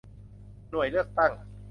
หน่วยเลือกตั้ง